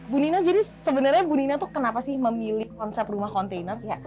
bu nina jadi sebenarnya bu nina tuh kenapa sih memilih konsep rumah kontainer